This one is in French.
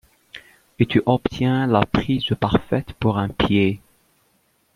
et tu obtiens la prise parfaite pour un pied.